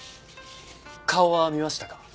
顔は見ましたか？